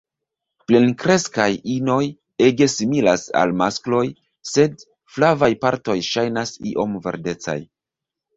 Plenkreskaj inoj ege similas al maskloj, sed flavaj partoj ŝajnas iom verdecaj.